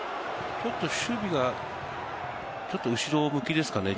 ちょっと守備が後ろ向きですかね。